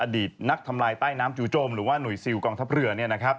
อดีตนักทำลายใต้น้ำจูจมหรือว่าหน่วยซิลกองทัพเรือ